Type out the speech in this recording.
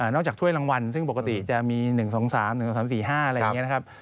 ถ้วยรางวัลซึ่งปกติจะมี๑๒๓๑๒๓๔๕อะไรอย่างนี้นะครับ